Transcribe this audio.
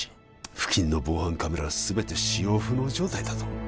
付近の防犯カメラは全て使用不能状態だと？